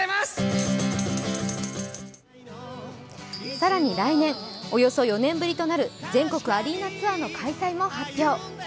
更に来年、およそ４年ぶりとなる全国アリーナツアーの開催も発表。